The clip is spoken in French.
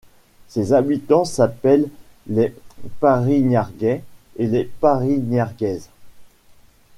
Ses habitants s'appellent les Parignargais et Parignargaises.